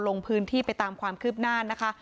ลงพื้นที่ไปตามความคืบหน้านะคะ